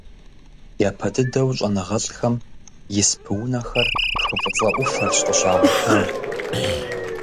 Япэ дыдэу щIэныгъэлIхэм испы унэхэр хы ФIыцIэ Iуфэрщ къыщагъуэтар.